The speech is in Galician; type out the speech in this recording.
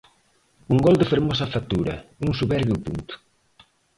Un gol de fermosa factura, un soberbio punto.